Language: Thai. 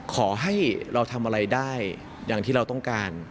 ขอให้เราทำอะไรได้อย่างที่เราต้องการ